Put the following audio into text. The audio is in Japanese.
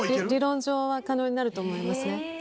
理論上は可能になると思いますね。